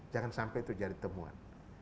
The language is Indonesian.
jangan sampai itu jadi temuan